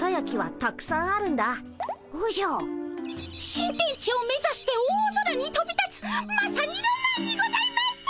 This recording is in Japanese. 新天地を目指して大空にとび立つまさにロマンにございます。